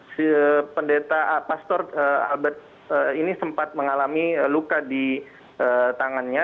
si pendeta pastor albert ini sempat mengalami luka di tangannya